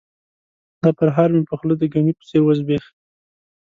دا پرهار مې په خوله د ګني په څېر وزبیښ.